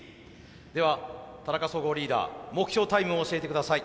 では田中総合リーダー目標タイムを教えてください。